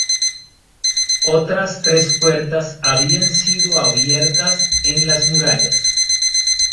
Otras tres puertas habían sido abiertas en las murallas.